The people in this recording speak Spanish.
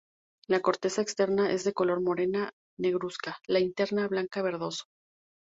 La corteza externa es de color morena a negruzca, la interna blanca-verdoso.